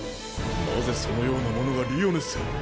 なぜそのような者がリオネスへ？